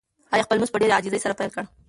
انا خپل لمونځ په ډېرې عاجزۍ سره پیل کړ.